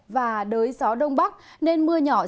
và đới gió đông bắc nên mưa nhỏ sẽ còn dần